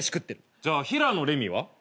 じゃあ平野レミは？